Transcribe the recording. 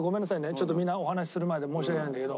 ちょっとみんなお話しする前で申し訳ないんだけど。